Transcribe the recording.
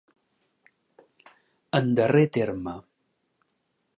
En darrer terme.